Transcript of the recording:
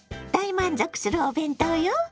大満足するお弁当よ！